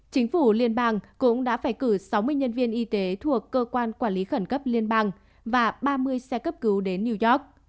chính phủ liên bang cũng đã phải cử sáu mươi nhân viên y tế thuộc cơ quan quản lý khẩn cấp liên bang và ba mươi xe cấp cứu đến new york